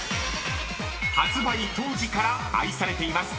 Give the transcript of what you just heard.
［発売当時から愛されています］